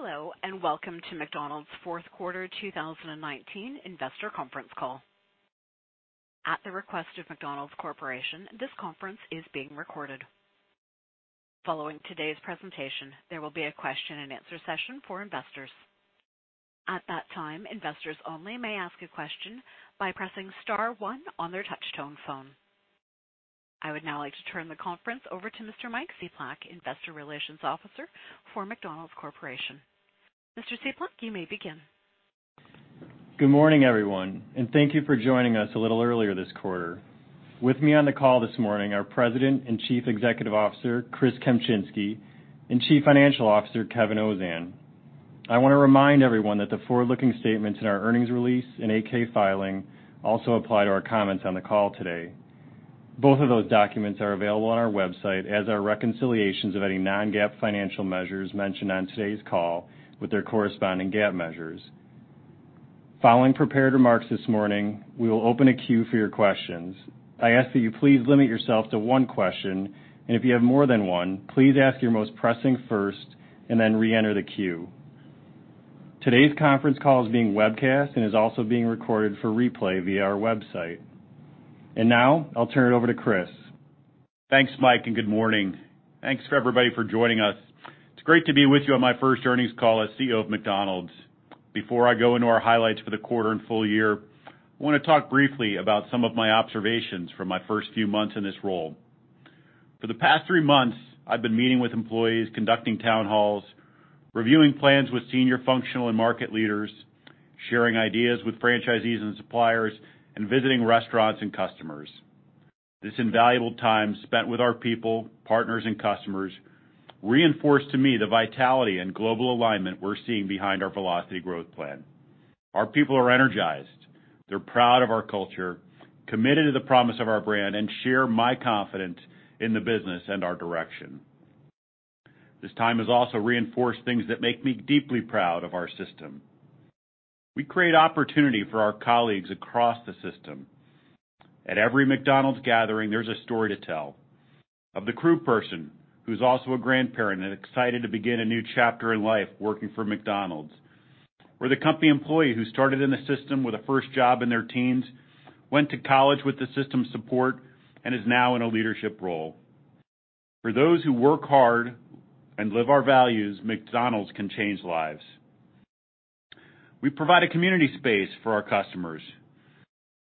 Hello, and welcome to McDonald's Fourth Quarter 2019 Investor Conference Call. At the request of McDonald's Corporation, this conference is being recorded. Following today's presentation, there will be a question-and-answer session for investors. At that time, investors only may ask a question by pressing star one on their touchtone phone. I would now like to turn the conference over to Mr. Mike Cieplak, Investor Relations Officer for McDonald's Corporation. Mr. Cieplak, you may begin. Good morning, everyone, and thank you for joining us a little earlier this quarter. With me on the call this morning are President and Chief Executive Officer, Chris Kempczinski, and Chief Financial Officer, Kevin Ozan. I want to remind everyone that the forward-looking statements in our earnings release and 8-K filing also apply to our comments on the call today. Both of those documents are available on our website as are reconciliations of any non-GAAP financial measures mentioned on today's call with their corresponding GAAP measures. Following prepared remarks this morning, we will open a queue for your questions. I ask that you please limit yourself to one question, and if you have more than one, please ask your most pressing first and then reenter the queue. Today's conference call is being webcast and is also being recorded for replay via our website. Now I'll turn it over to Chris. Thanks, Mike, and good morning. Thanks for everybody for joining us. It's great to be with you on my first earnings call as CEO of McDonald's. Before I go into our highlights for the quarter and full year, I want to talk briefly about some of my observations from my first few months in this role. For the past three months, I've been meeting with employees, conducting town halls, reviewing plans with senior functional and market leaders, sharing ideas with franchisees and suppliers, and visiting restaurants and customers. This invaluable time spent with our people, partners, and customers reinforced to me the vitality and global alignment we're seeing behind our Velocity Growth Plan. Our people are energized. They're proud of our culture, committed to the promise of our brand, and share my confidence in the business and our direction. This time has also reinforced things that make me deeply proud of our system. We create opportunity for our colleagues across the system. At every McDonald's gathering, there's a story to tell. Of the crew person who's also a grandparent and excited to begin a new chapter in life working for McDonald's. Or the company employee who started in the system with a first job in their teens, went to college with the system's support, and is now in a leadership role. For those who work hard and live our values, McDonald's can change lives. We provide a community space for our customers.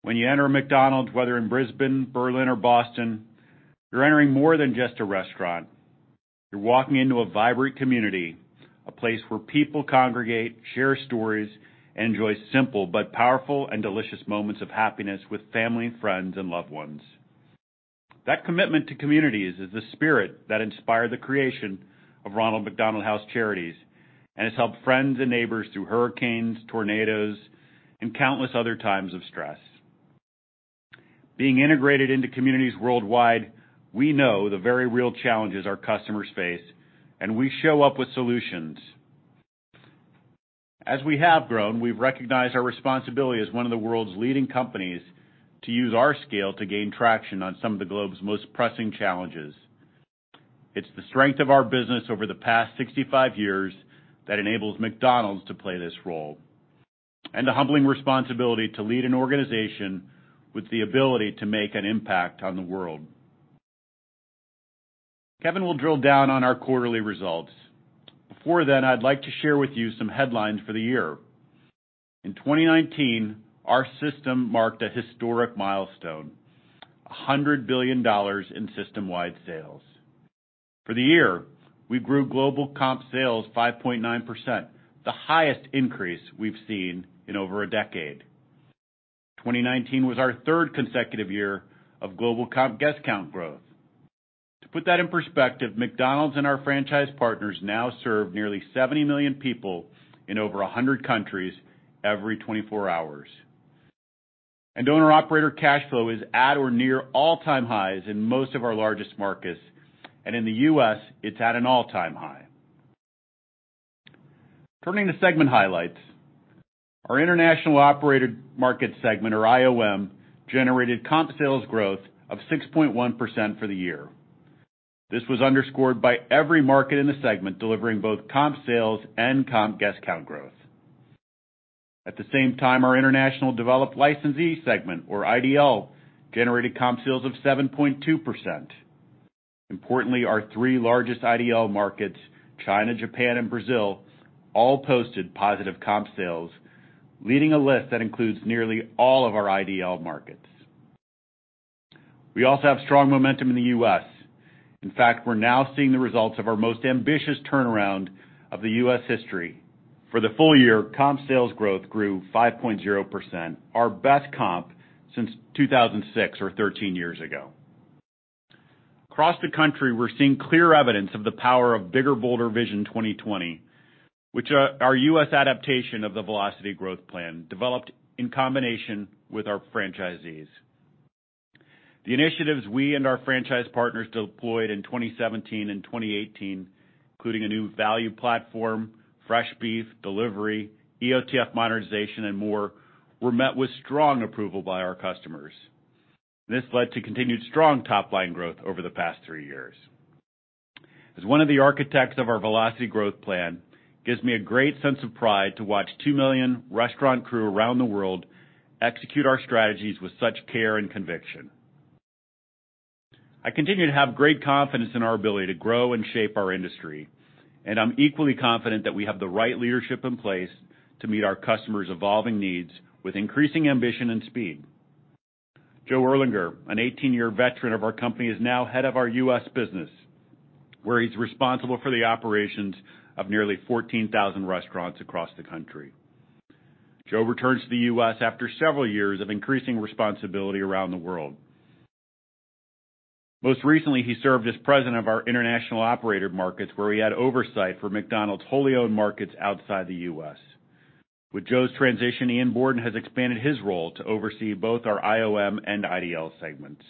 When you enter a McDonald's, whether in Brisbane, Berlin, or Boston, you're entering more than just a restaurant. You're walking into a vibrant community, a place where people congregate, share stories, and enjoy simple but powerful and delicious moments of happiness with family, friends, and loved ones. That commitment to communities is the spirit that inspired the creation of Ronald McDonald House Charities and has helped friends and neighbors through hurricanes, tornadoes, and countless other times of stress. Being integrated into communities worldwide, we know the very real challenges our customers face, and we show up with solutions. As we have grown, we've recognized our responsibility as one of the world's leading companies to use our scale to gain traction on some of the globe's most pressing challenges. It's the strength of our business over the past 65 years that enables McDonald's to play this role and the humbling responsibility to lead an organization with the ability to make an impact on the world. Kevin will drill down on our quarterly results. Before then, I'd like to share with you some headlines for the year. In 2019, our system marked a historic milestone, $100 billion in system-wide sales. For the year, we grew global comp sales 5.9%, the highest increase we've seen in over a decade. 2019 was our third consecutive year of global comp guest count growth. To put that in perspective, McDonald's and our franchise partners now serve nearly 70 million people in over 100 countries every 24 hours. Owner operator cash flow is at or near all-time highs in most of our largest markets. In the U.S., it's at an all-time high. Turning to segment highlights. Our International Operated Market segment, or IOM, generated comp sales growth of 6.1% for the year. This was underscored by every market in the segment delivering both comp sales and comp guest count growth. At the same time, our International Developmental Licensed segment, or IDL, generated comp sales of 7.2%. Importantly, our three largest IDL markets, China, Japan, and Brazil, all posted positive comp sales, leading a list that includes nearly all of our IDL markets. We also have strong momentum in the U.S. In fact, we're now seeing the results of our most ambitious turnaround of the U.S. history. For the full year, comp sales growth grew 5.0%, our best comp since 2006 or 13 years ago. Across the country, we're seeing clear evidence of the power of Bigger, Bolder Vision 2020, which our U.S. adaptation of the Velocity Growth Plan developed in combination with our franchisees. The initiatives we and our franchise partners deployed in 2017 and 2018, including a new value platform, fresh beef, delivery, EOTF modernization, and more, were met with strong approval by our customers. This led to continued strong top-line growth over the past three years. As one of the architects of our Velocity Growth Plan, gives me a great sense of pride to watch 2 million restaurant crew around the world execute our strategies with such care and conviction. I continue to have great confidence in our ability to grow and shape our industry, and I'm equally confident that we have the right leadership in place to meet our customers' evolving needs with increasing ambition and speed. Joe Erlinger, an 18-year veteran of our company, is now head of our U.S. business, where he's responsible for the operations of nearly 14,000 restaurants across the country. Joe returns to the U.S. after several years of increasing responsibility around the world. Most recently, he served as President of our International Operator Markets, where he had oversight for McDonald's wholly owned markets outside the U.S. With Joe's transition, Ian Borden has expanded his role to oversee both our IOM and IDL segments.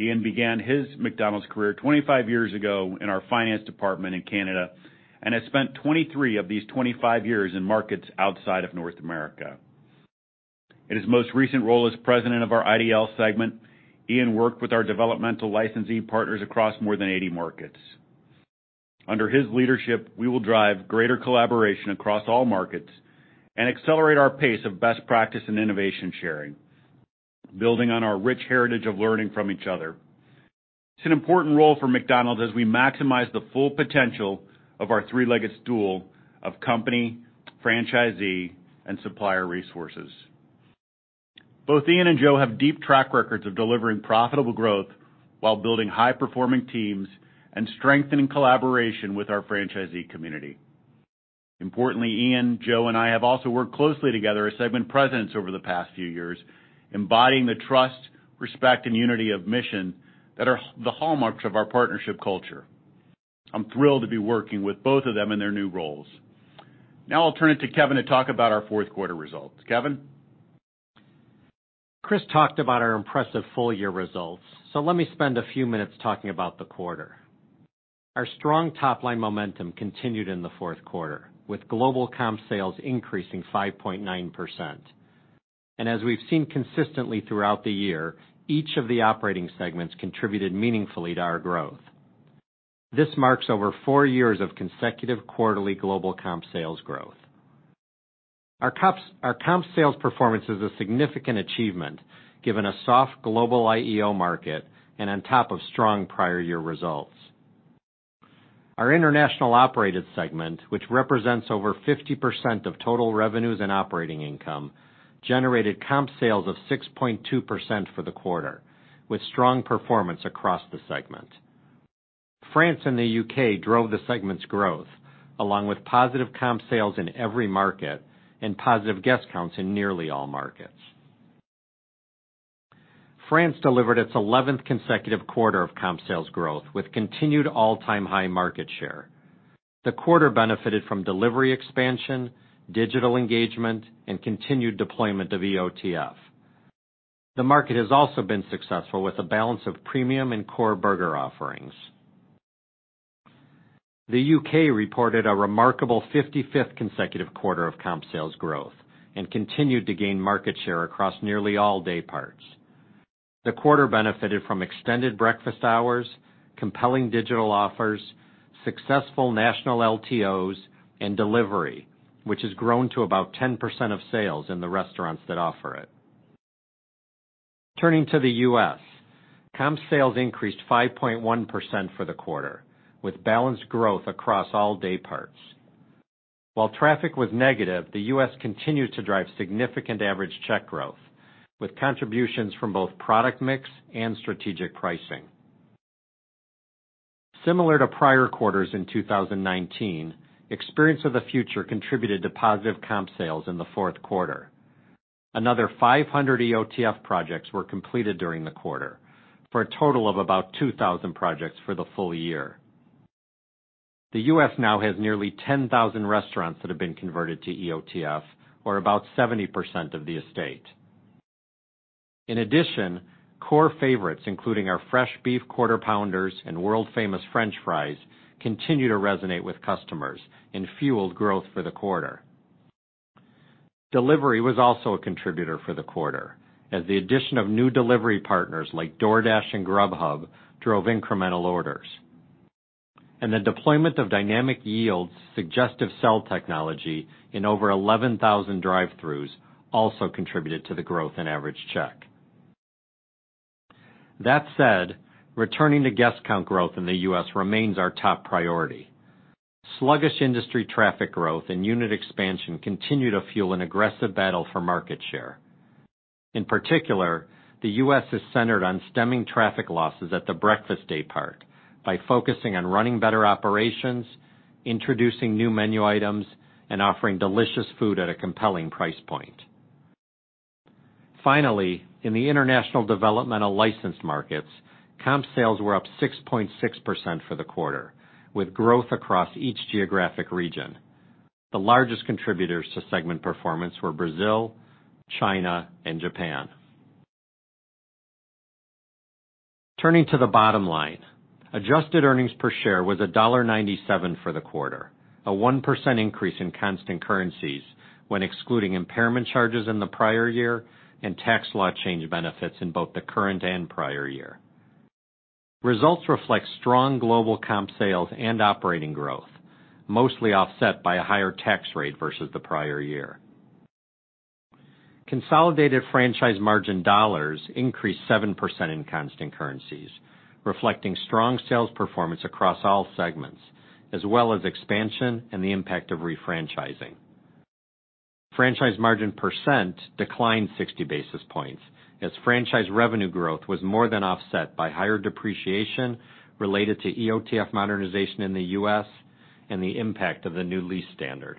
Ian began his McDonald's career 25 years ago in our finance department in Canada and has spent 23 of these 25 years in markets outside of North America. In his most recent role as president of our IDL segment, Ian worked with our developmental licensee partners across more than 80 markets. Under his leadership, we will drive greater collaboration across all markets and accelerate our pace of best practice and innovation sharing, building on our rich heritage of learning from each other. It's an important role for McDonald's as we maximize the full potential of our three-legged stool of company, franchisee, and supplier resources. Both Ian and Joe have deep track records of delivering profitable growth while building high-performing teams and strengthening collaboration with our franchisee community. Importantly, Ian, Joe, and I have also worked closely together as segment presidents over the past few years, embodying the trust, respect, and unity of mission that are the hallmarks of our partnership culture. I'm thrilled to be working with both of them in their new roles. Now I'll turn it to Kevin to talk about our fourth quarter results. Kevin? Chris talked about our impressive full-year results, let me spend a few minutes talking about the quarter. Our strong top-line momentum continued in the fourth quarter, with global comp sales increasing 5.9%. As we've seen consistently throughout the year, each of the operating segments contributed meaningfully to our growth. This marks over four years of consecutive quarterly global comp sales growth. Our comp sales performance is a significant achievement given a soft global IEO market and on top of strong prior year results. Our International Operated Segment, which represents over 50% of total revenues and operating income, generated comp sales of 6.2% for the quarter, with strong performance across the segment. France and the U.K. drove the segment's growth, along with positive comp sales in every market and positive guest counts in nearly all markets. France delivered its 11th consecutive quarter of comp sales growth, with continued all-time high market share. The quarter benefited from delivery expansion, digital engagement, and continued deployment of EOTF. The market has also been successful with a balance of premium and core burger offerings. The U.K. reported a remarkable 55th consecutive quarter of comp sales growth and continued to gain market share across nearly all day parts. The quarter benefited from extended breakfast hours, compelling digital offers, successful national LTOs, and delivery, which has grown to about 10% of sales in the restaurants that offer it. Turning to the U.S., comp sales increased 5.1% for the quarter, with balanced growth across all day parts. While traffic was negative, the U.S. continued to drive significant average check growth, with contributions from both product mix and strategic pricing. Similar to prior quarters in 2019, Experience of the Future contributed to positive comp sales in the fourth quarter. Another 500 EOTF projects were completed during the quarter, for a total of about 2,000 projects for the full year. The U.S. now has nearly 10,000 restaurants that have been converted to EOTF, or about 70% of the estate. In addition, core favorites, including our fresh beef Quarter Pounders and world-famous French Fries, continue to resonate with customers and fueled growth for the quarter. Delivery was also a contributor for the quarter, as the addition of new delivery partners like DoorDash and Grubhub drove incremental orders. The deployment of Dynamic Yield suggestive sell technology in over 11,000 drive-throughs also contributed to the growth in average check. That said, returning to guest count growth in the U.S. remains our top priority. Sluggish industry traffic growth and unit expansion continue to fuel an aggressive battle for market share. In particular, the U.S. is centered on stemming traffic losses at the breakfast day part by focusing on running better operations, introducing new menu items, and offering delicious food at a compelling price point. Finally, in the International Developmental Licensed markets, comp sales were up 6.6% for the quarter, with growth across each geographic region. The largest contributors to segment performance were Brazil, China, and Japan. Turning to the bottom line, adjusted earnings per share was $1.97 for the quarter, a 1% increase in constant currencies when excluding impairment charges in the prior year, and tax law change benefits in both the current and prior year. Results reflect strong global comp sales and operating growth, mostly offset by a higher tax rate versus the prior year. Consolidated franchise margin dollars increased 7% in constant currencies, reflecting strong sales performance across all segments, as well as expansion and the impact of refranchising. Franchise margin percent declined 60 basis points as franchise revenue growth was more than offset by higher depreciation related to EOTF modernization in the U.S. and the impact of the new lease standard.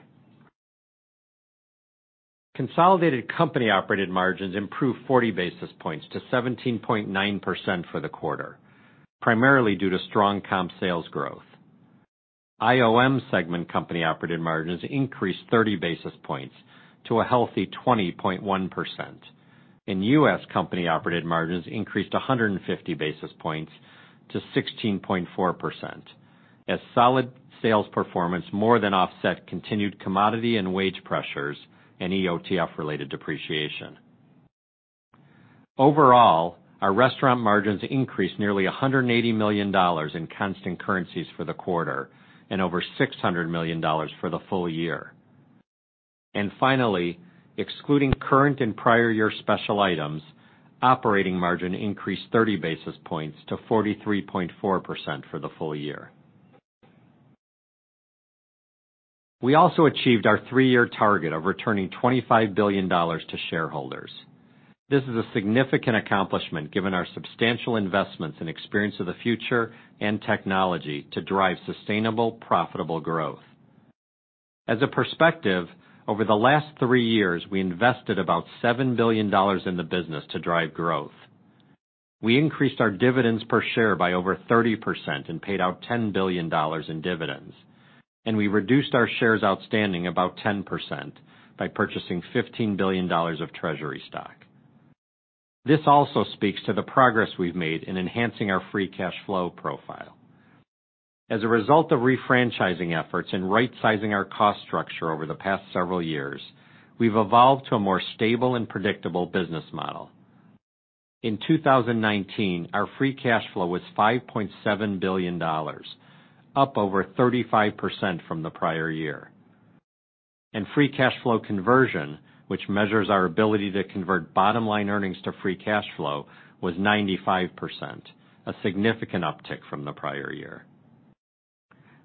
Consolidated company-operated margins improved 40 basis points to 17.9% for the quarter, primarily due to strong comp sales growth. IOM segment company-operated margins increased 30 basis points to a healthy 20.1%. In U.S., company-operated margins increased 150 basis points to 16.4%, as solid sales performance more than offset continued commodity and wage pressures and EOTF-related depreciation. Overall, our restaurant margins increased nearly $180 million in constant currencies for the quarter and over $600 million for the full year. Finally, excluding current and prior year special items, operating margin increased 30 basis points to 43.4% for the full year. We also achieved our three-year target of returning $25 billion to shareholders. This is a significant accomplishment given our substantial investments in Experience of the Future and technology to drive sustainable profitable growth. As a perspective, over the last three years, we invested about $7 billion in the business to drive growth. We increased our dividends per share by over 30% and paid out $10 billion in dividends, and we reduced our shares outstanding about 10% by purchasing $15 billion of Treasury stock. This also speaks to the progress we've made in enhancing our free cash flow profile. As a result of refranchising efforts and rightsizing our cost structure over the past several years, we've evolved to a more stable and predictable business model. In 2019, our free cash flow was $5.7 billion, up over 35% from the prior year. Free cash flow conversion, which measures our ability to convert bottom-line earnings to free cash flow, was 95%, a significant uptick from the prior year.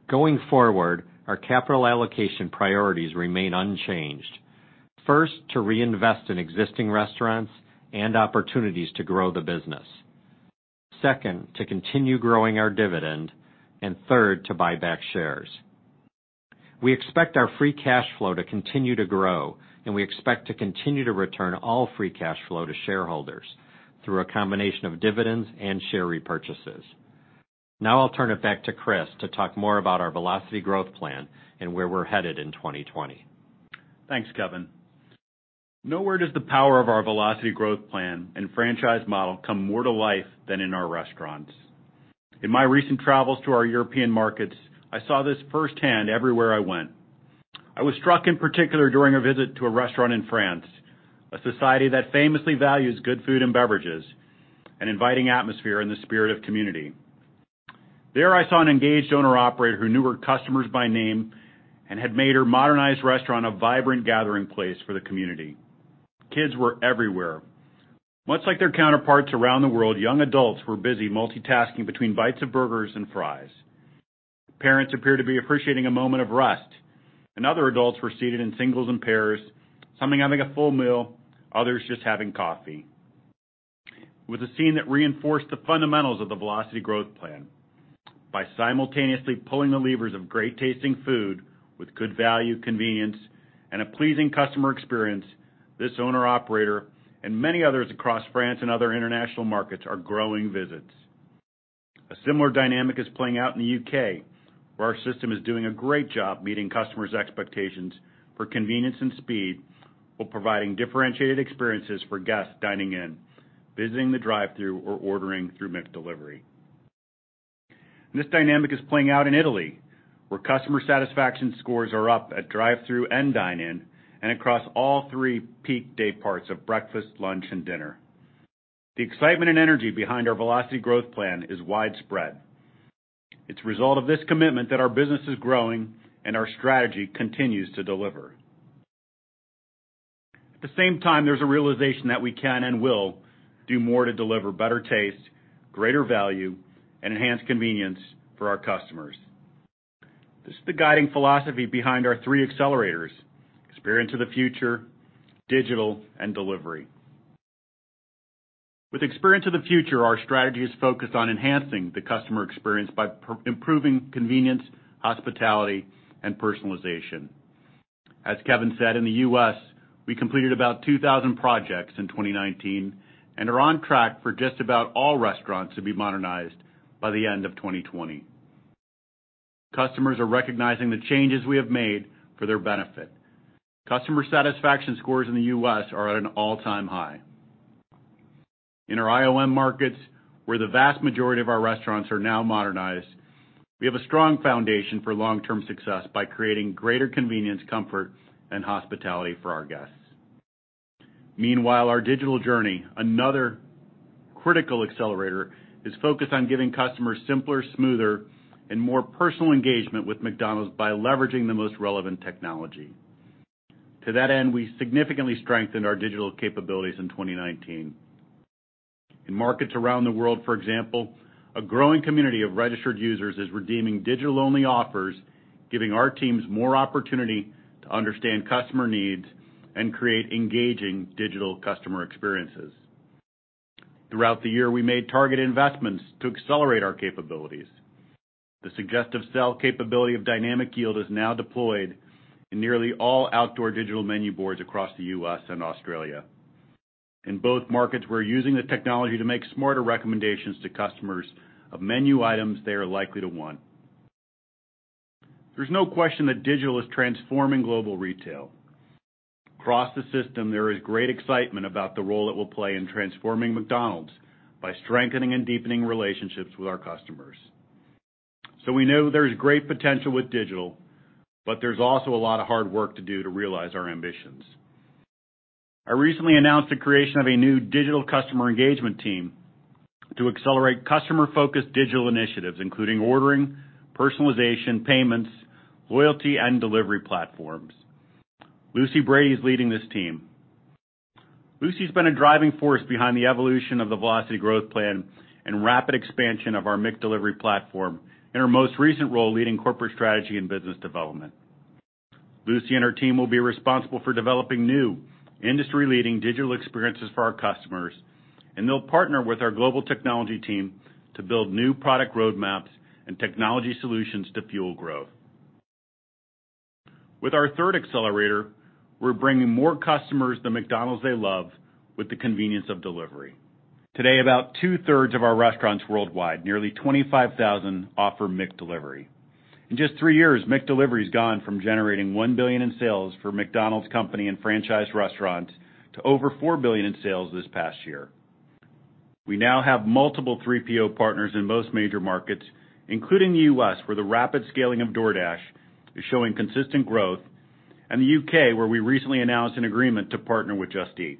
Going forward, our capital allocation priorities remain unchanged. First, to reinvest in existing restaurants and opportunities to grow the business. Second, to continue growing our dividend. Third, to buy back shares. We expect our free cash flow to continue to grow, and we expect to continue to return all free cash flow to shareholders through a combination of dividends and share repurchases. Now I'll turn it back to Chris to talk more about our Velocity Growth Plan and where we're headed in 2020. Thanks, Kevin. Nowhere does the power of our Velocity Growth Plan and franchise model come more to life than in our restaurants. In my recent travels to our European markets, I saw this firsthand everywhere I went. I was struck in particular during a visit to a restaurant in France, a society that famously values good food and beverages, an inviting atmosphere in the spirit of community. There I saw an engaged owner-operator who knew her customers by name and had made her modernized restaurant a vibrant gathering place for the community. Kids were everywhere. Much like their counterparts around the world, young adults were busy multitasking between bites of burgers and fries. Parents appeared to be appreciating a moment of rest, and other adults were seated in singles and pairs, some having a full meal, others just having coffee. It was a scene that reinforced the fundamentals of the Velocity Growth Plan. By simultaneously pulling the levers of great-tasting food with good value, convenience, and a pleasing customer experience, this owner-operator and many others across France and other international markets are growing visits. A similar dynamic is playing out in the U.K., where our system is doing a great job meeting customers' expectations for convenience and speed, while providing differentiated experiences for guests dining in, visiting the drive-through, or ordering through McDelivery. This dynamic is playing out in Italy, where customer satisfaction scores are up at drive-through and dine-in and across all three peak day parts of breakfast, lunch, and dinner. The excitement and energy behind our Velocity Growth Plan is widespread. It's a result of this commitment that our business is growing and our strategy continues to deliver. At the same time, there's a realization that we can and will do more to deliver better taste, greater value, and enhanced convenience for our customers. This is the guiding philosophy behind our three accelerators, Experience of the Future, digital, and delivery. With Experience of the Future, our strategy is focused on enhancing the customer experience by improving convenience, hospitality, and personalization. As Kevin said, in the U.S., we completed about 2,000 projects in 2019 and are on track for just about all restaurants to be modernized by the end of 2020. Customers are recognizing the changes we have made for their benefit. Customer satisfaction scores in the U.S. are at an all-time high. In our IOM markets, where the vast majority of our restaurants are now modernized, we have a strong foundation for long-term success by creating greater convenience, comfort, and hospitality for our guests. Meanwhile, our digital journey, another critical accelerator, is focused on giving customers simpler, smoother, and more personal engagement with McDonald's by leveraging the most relevant technology. To that end, we significantly strengthened our digital capabilities in 2019. In markets around the world, for example, a growing community of registered users is redeeming digital-only offers, giving our teams more opportunity to understand customer needs and create engaging digital customer experiences. Throughout the year, we made targeted investments to accelerate our capabilities. The suggestive sell capability of Dynamic Yield is now deployed in nearly all outdoor digital menu boards across the U.S. and Australia. In both markets, we're using the technology to make smarter recommendations to customers of menu items they are likely to want. There's no question that digital is transforming global retail. Across the system, there is great excitement about the role it will play in transforming McDonald's by strengthening and deepening relationships with our customers. We know there's great potential with digital, but there's also a lot of hard work to do to realize our ambitions. I recently announced the creation of a new digital customer engagement team to accelerate customer-focused digital initiatives, including ordering, personalization, payments, loyalty, and delivery platforms. Lucy Brady is leading this team. Lucy's been a driving force behind the evolution of the Velocity Growth Plan and rapid expansion of our McDelivery platform in her most recent role leading corporate strategy and business development. Lucy and her team will be responsible for developing new industry-leading digital experiences for our customers, and they'll partner with our global technology team to build new product roadmaps and technology solutions to fuel growth. With our third accelerator, we're bringing more customers the McDonald's they love with the convenience of delivery. Today, about 2/3 of our restaurants worldwide, nearly 25,000, offer McDelivery. In just three years, McDelivery's gone from generating $1 billion in sales for McDonald's company and franchise restaurants to over $4 billion in sales this past year. We now have multiple 3PL partners in most major markets, including the U.S., where the rapid scaling of DoorDash is showing consistent growth, and the U.K., where we recently announced an agreement to partner with Just Eat.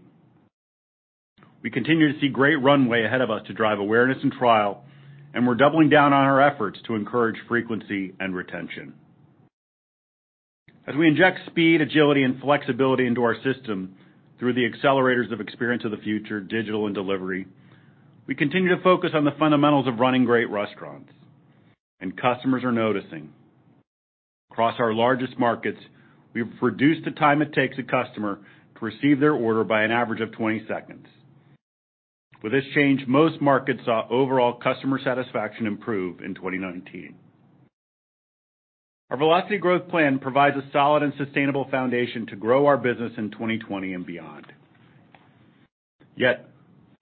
We continue to see great runway ahead of us to drive awareness and trial, and we're doubling down on our efforts to encourage frequency and retention. As we inject speed, agility, and flexibility into our system through the accelerators of Experience of the Future, digital and delivery, we continue to focus on the fundamentals of running great restaurants, and customers are noticing. Across our largest markets, we've reduced the time it takes a customer to receive their order by an average of 20 seconds. With this change, most markets saw overall customer satisfaction improve in 2019. Our Velocity Growth Plan provides a solid and sustainable foundation to grow our business in 2020 and beyond. Yet,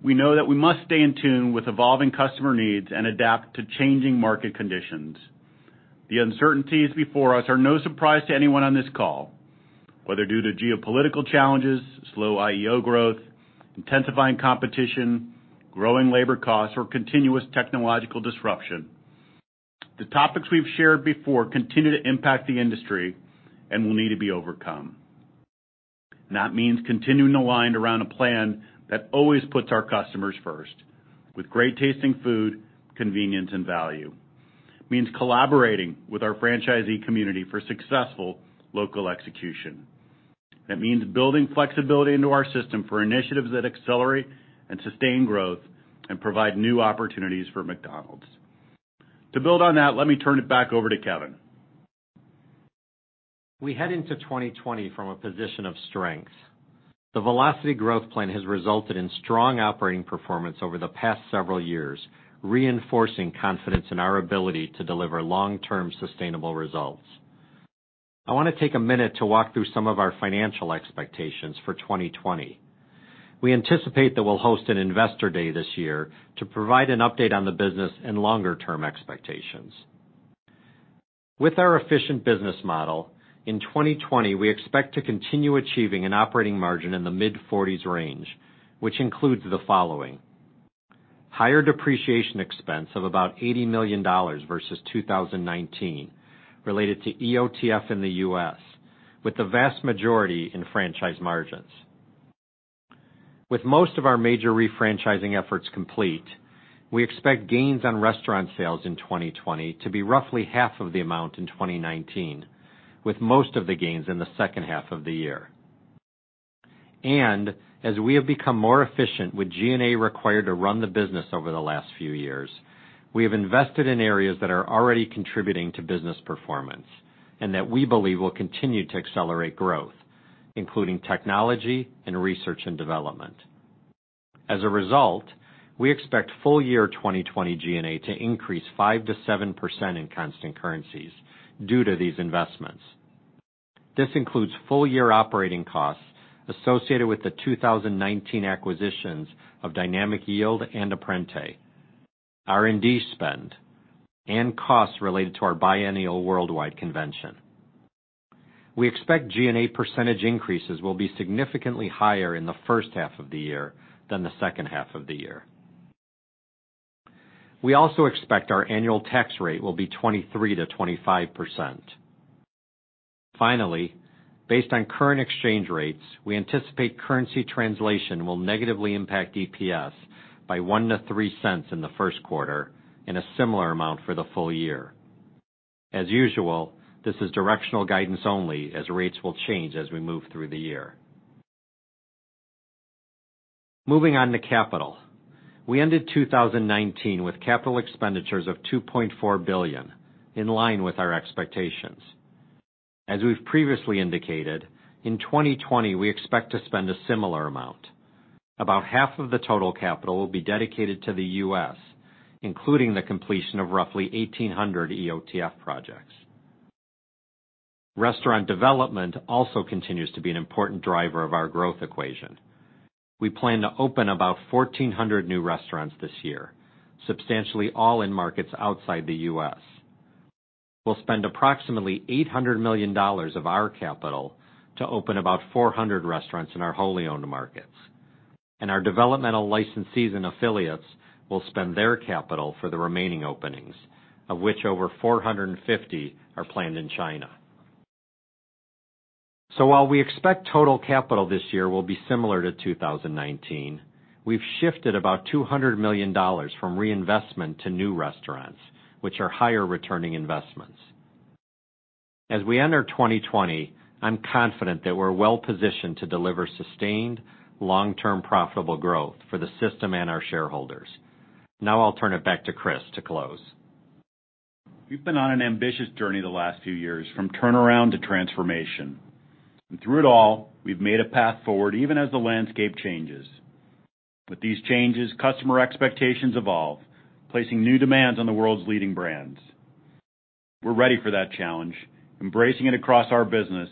we know that we must stay in tune with evolving customer needs and adapt to changing market conditions. The uncertainties before us are no surprise to anyone on this call. Whether due to geopolitical challenges, slow IEO growth, intensifying competition, growing labor costs, or continuous technological disruption, the topics we've shared before continue to impact the industry and will need to be overcome. That means continuing aligned around a plan that always puts our customers first with great tasting food, convenience, and value. It means collaborating with our franchisee community for successful local execution. That means building flexibility into our system for initiatives that accelerate and sustain growth and provide new opportunities for McDonald's. To build on that, let me turn it back over to Kevin. We head into 2020 from a position of strength. The Velocity Growth Plan has resulted in strong operating performance over the past several years, reinforcing confidence in our ability to deliver long-term sustainable results. I want to take a minute to walk through some of our financial expectations for 2020. We anticipate that we'll host an Investor Day this year to provide an update on the business and longer term expectations. With our efficient business model, in 2020, we expect to continue achieving an operating margin in the mid-40s range, which includes the following: Higher depreciation expense of about $80 million versus 2019 related to EOTF in the U.S., with the vast majority in franchise margins. With most of our major refranchising efforts complete, we expect gains on restaurant sales in 2020 to be roughly half of the amount in 2019, with most of the gains in the second half of the year. As we have become more efficient with G&A required to run the business over the last few years, we have invested in areas that are already contributing to business performance and that we believe will continue to accelerate growth, including technology and research and development. As a result, we expect full year 2020 G&A to increase 5% to 7% in constant currencies due to these investments. This includes full year operating costs associated with the 2019 acquisitions of Dynamic Yield and Apprente, R&D spend, and costs related to our biennial worldwide convention. We expect G&A percentage increases will be significantly higher in the first half of the year than the second half of the year. We also expect our annual tax rate will be 23%-25%. Finally, based on current exchange rates, we anticipate currency translation will negatively impact EPS by $0.01-$0.03 in the first quarter, and a similar amount for the full year. As usual, this is directional guidance only, as rates will change as we move through the year. Moving on to capital. We ended 2019 with capital expenditures of $2.4 billion, in line with our expectations. As we've previously indicated, in 2020, we expect to spend a similar amount. About half of the total capital will be dedicated to the U.S., including the completion of roughly 1,800 EOTF projects. Restaurant development also continues to be an important driver of our growth equation. We plan to open about 1,400 new restaurants this year, substantially all in markets outside the U.S. We'll spend approximately $800 million of our capital to open about 400 restaurants in our wholly owned markets. Our developmental licensees and affiliates will spend their capital for the remaining openings, of which over 450 are planned in China. While we expect total capital this year will be similar to 2019, we've shifted about $200 million from reinvestment to new restaurants, which are higher returning investments. As we enter 2020, I'm confident that we're well-positioned to deliver sustained long-term profitable growth for the system and our shareholders. I'll turn it back to Chris to close. We've been on an ambitious journey the last few years, from turnaround to transformation. Through it all, we've made a path forward, even as the landscape changes. With these changes, customer expectations evolve, placing new demands on the world's leading brands. We're ready for that challenge, embracing it across our business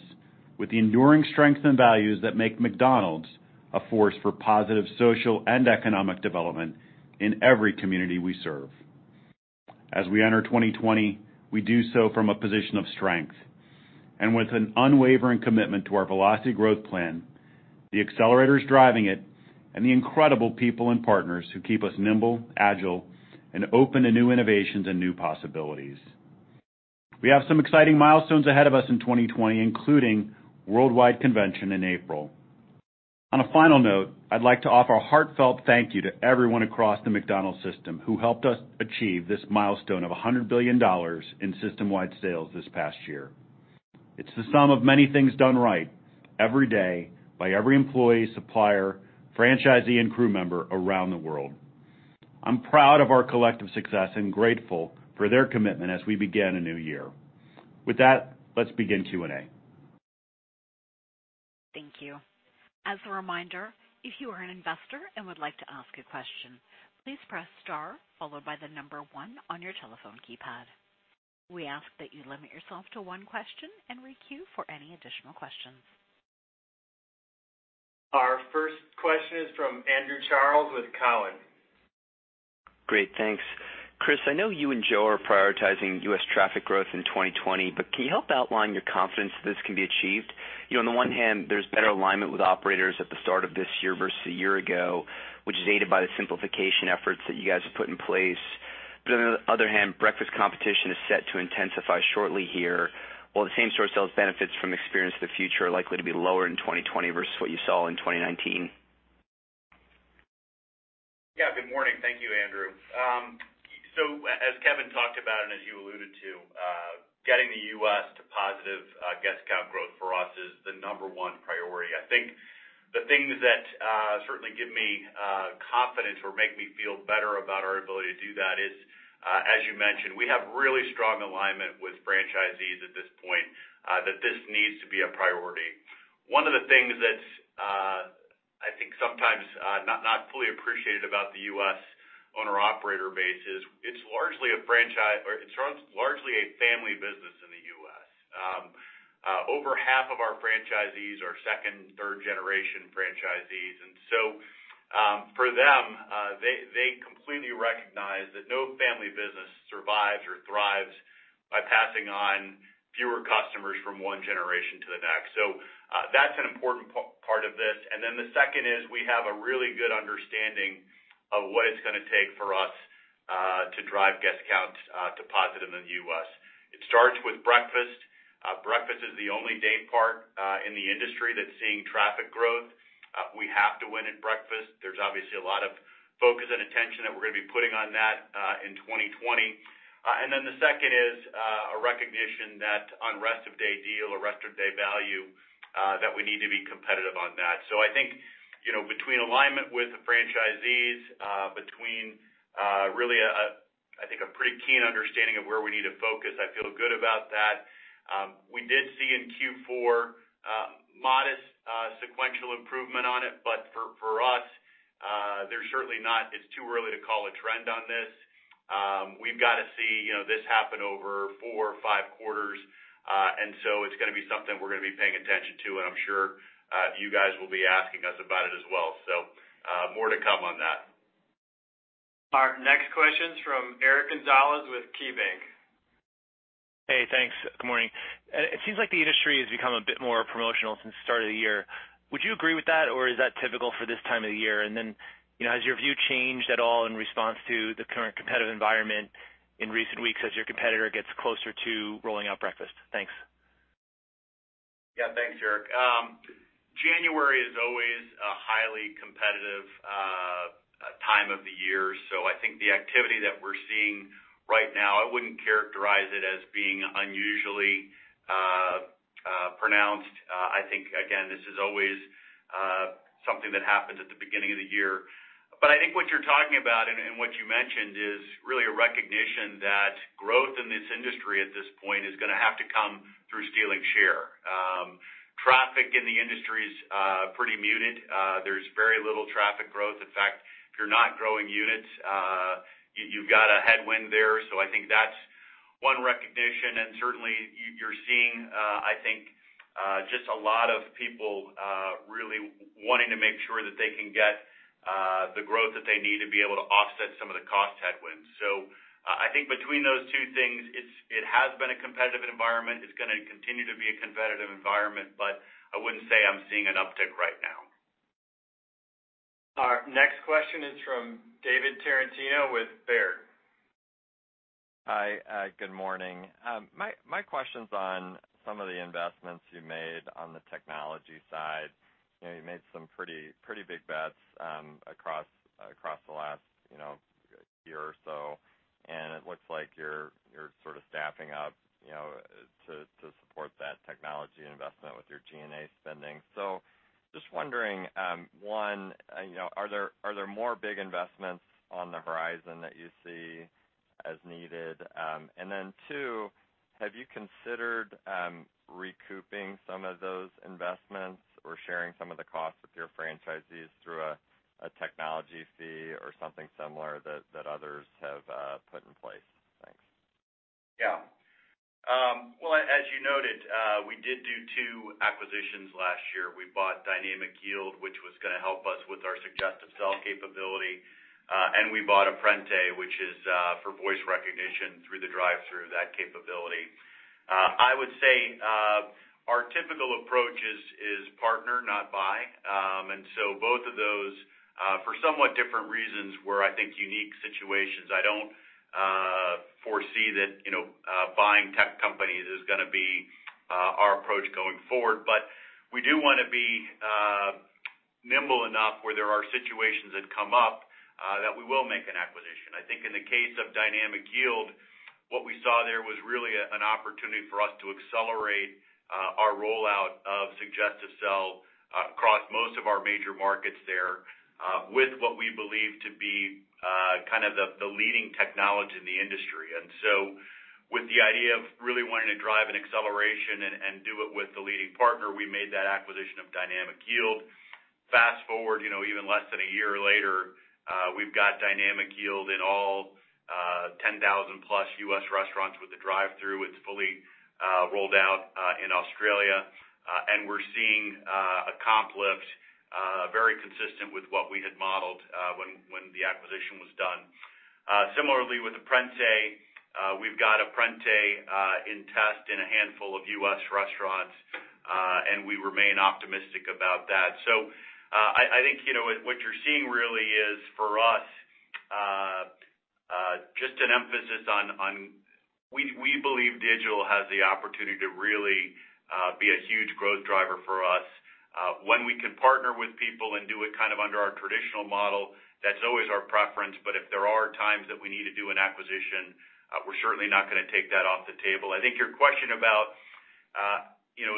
with the enduring strength and values that make McDonald's a force for positive social and economic development in every community we serve. As we enter 2020, we do so from a position of strength. With an unwavering commitment to our Velocity Growth Plan, the accelerators driving it, and the incredible people and partners who keep us nimble, agile, and open to new innovations and new possibilities. We have some exciting milestones ahead of us in 2020, including Worldwide Convention in April. On a final note, I'd like to offer a heartfelt thank you to everyone across the McDonald's system who helped us achieve this milestone of $100 billion in systemwide sales this past year. It's the sum of many things done right every day by every employee, supplier, franchisee, and crew member around the world. I'm proud of our collective success and grateful for their commitment as we begin a new year. With that, let's begin Q&A. Thank you. As a reminder, if you are an investor and would like to ask a question, please press star followed by the number one on your telephone keypad. We ask that you limit yourself to one question and re-queue for any additional questions. Our first question is from Andrew Charles with Cowen. Great. Thanks. Chris, I know you and Joe are prioritizing U.S. traffic growth in 2020, can you help outline your confidence that this can be achieved? On the one hand, there's better alignment with operators at the start of this year versus a year ago, which is aided by the simplification efforts that you guys have put in place. On the other hand, breakfast competition is set to intensify shortly here, while the same-store sales benefits from Experience of the Future are likely to be lower in 2020 versus what you saw in 2019. Good morning. Thank you, Andrew. As Kevin talked about and as you alluded to, getting the U.S. to positive guest count growth for us is the number one priority. I think the things that certainly give me confidence or make me feel better about our ability to do that is, as you mentioned, we have really strong alignment with franchisees at this point, that this needs to be a priority. One of the things that's I think sometimes not fully appreciated about the U.S. owner/operator base is it's largely a family business in the U.S. Over half of our franchisees are second, third generation franchisees, for them, they completely recognize that no family business survives or thrives by passing on fewer customers from one generation to the next. That's an important part of this. The second is we have a really good understanding of what it's going to take for us to drive guest counts to positive in the U.S. It starts with breakfast. Breakfast is the only day part in the industry that's seeing traffic growth. We have to win at breakfast. There's obviously a lot of focus and attention that we're going to be putting on that in 2020. The second is a recognition that on rest of day deal or rest of day value, that we need to be competitive on that. I think between alignment with the franchisees, between really I think a pretty keen understanding of where we need to focus, I feel good about that. We did see in Q4 modest sequential improvement on it. It's too early to call a trend on this. We've got to see this happen over four or five quarters. It's going to be something we're going to be paying attention to, and I'm sure you guys will be asking us about it as well. More to come on that. Our next question is from Eric Gonzalez with KeyBanc. Hey, thanks. Good morning. It seems like the industry has become a bit more promotional since the start of the year. Would you agree with that, or is that typical for this time of the year? Has your view changed at all in response to the current competitive environment in recent weeks as your competitor gets closer to rolling out breakfast? Thanks. Yeah, thanks, Eric. January is always a highly competitive time of the year, so I think the activity that we're seeing right now, I wouldn't characterize it as being unusually pronounced. I think, again, this is always something that happens at the beginning of the year. I think what you're talking about and what you mentioned is really a recognition that growth in this industry at this point is going to have to come through stealing share. Traffic in the industry is pretty muted. There's very little traffic growth. In fact, if you're not growing units, you've got a headwind there. I think that's one recognition. Certainly, you're seeing, I think, just a lot of people really wanting to make sure that they can get the growth that they need to be able to offset some of the cost headwinds. I think between those two things, it has been a competitive environment. It's going to continue to be a competitive environment, but I wouldn't say I'm seeing an uptick right now. Our next question is from David Tarantino with Baird. Hi, good morning. My question's on some of the investments you made on the technology side. You made some pretty big bets across the last year or so, and it looks like you're sort of staffing up to support that technology investment with your G&A spending. Just wondering, one, are there more big investments on the horizon that you see as needed? Then two, have you considered recouping some of those investments or sharing some of the costs with your franchisees through a technology fee or something similar that others have put in place? Thanks. Yeah. Well, as you noted, we did do two acquisitions last year. We bought Dynamic Yield, which was going to help us with our suggestive sell capability. We bought Apprente, which is for voice recognition through the drive-thru, that capability. I would say our typical approach is partner, not buy. Both of those, for somewhat different reasons, were I think, unique situations. I don't foresee that buying tech companies is going to be our approach going forward. We do want to be nimble enough where there are situations that come up that we will make an acquisition. I think in the case of Dynamic Yield, what we saw there was really an opportunity for us to accelerate our rollout of suggestive sell across most of our major markets there with what we believe to be kind of the leading technology in the industry. With the idea of really wanting to drive an acceleration and do it with the leading partner, we made that acquisition of Dynamic Yield. Fast-forward even less than a year later, we've got Dynamic Yield in all 10,000+ U.S. restaurants with a drive-thru. It's fully rolled out in Australia. We're seeing a comp lift very consistent with what we had modeled when the acquisition was done. Similarly, with Apprente, we've got Apprente in test in a handful of U.S. restaurants, and we remain optimistic about that. I think what you're seeing really is for us. We believe digital has the opportunity to really be a huge growth driver for us. When we can partner with people and do it kind of under our traditional model, that's always our preference, but if there are times that we need to do an acquisition, we're certainly not going to take that off the table. I think your question about,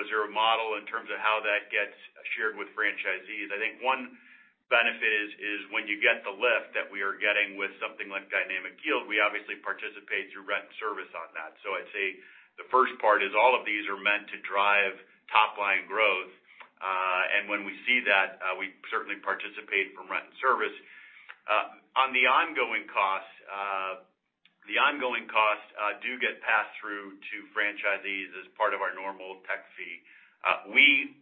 is there a model in terms of how that gets shared with franchisees? I think one benefit is when you get the lift that we are getting with something like Dynamic Yield, we obviously participate through rent and service on that. I'd say the first part is all of these are meant to drive top-line growth. When we see that, we certainly participate from rent and service. On the ongoing costs, the ongoing costs do get passed through to franchisees as part of our normal tech fee. We